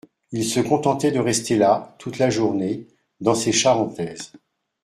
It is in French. Il se contentait de rester là, toute la journée, dans ses charentaises